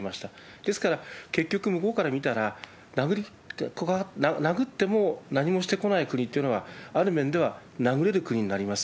ですから、結局向こうから見たら、殴っても何もしてこない国というのは、ある面では殴れる国になります。